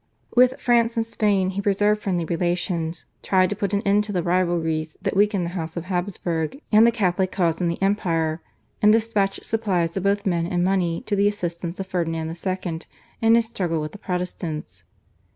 With France and Spain he preserved friendly relations, tried to put an end to the rivalries that weakened the House of Habsburg and the Catholic cause in the Empire, and despatched supplies of both men and money to the assistance of Ferdinand II. in his struggle with the Protestants.